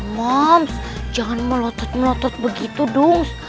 moms jangan melotot melotot begitu dong